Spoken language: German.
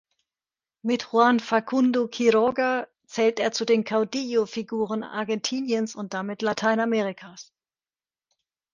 Mit Juan Facundo Quiroga zählt er zu den Caudillo-Figuren Argentiniens und damit Lateinamerikas.